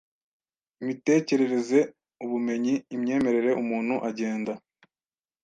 imitekerereze, ubumenyi, imyemerere umuntu agenda